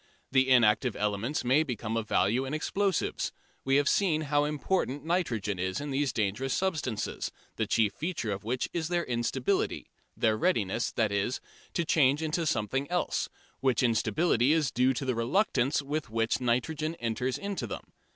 The inactive elements may become of value in explosives. We have seen how important nitrogen is in these dangerous substances, the chief feature of which is their instability their readiness, that is, to change into something else which instability is due to the reluctance with which nitrogen enters into them.